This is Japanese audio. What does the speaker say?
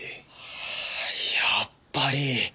ああやっぱり。